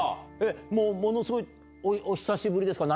ものすごいお久しぶりですか？